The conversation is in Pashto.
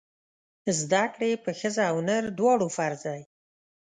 زده کړې په ښځه او نر دواړو فرض دی!